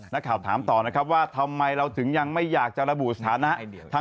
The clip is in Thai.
นักข่าวถามต่อนะครับว่าทำไมเราถึงยังไม่อยากจะระบุสถานะ